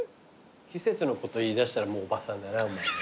季節のこと言いだしたらもうおばさんだなお前もな。